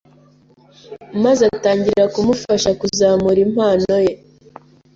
maze atangira kumufasha kuzamura impano ye.